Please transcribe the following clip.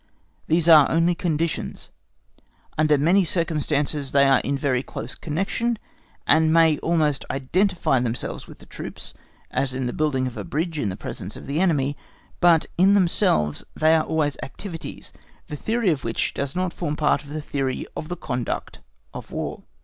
These are only conditions; under many circumstances they are in very close connection, and may almost identify themselves with the troops, as in building a bridge in presence of the enemy; but in themselves they are always activities, the theory of which does not form part of the theory of the conduct of War.